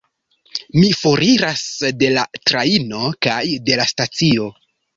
Mi foriras de la trajno, kaj de la stacio.